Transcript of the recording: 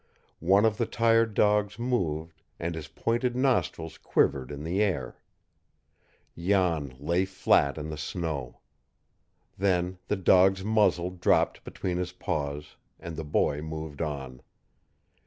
One of the tired dogs moved, and his pointed nostrils quivered in the air. Jan lay flat in the snow. Then the dog's muzzle dropped between his paws, and the boy moved on.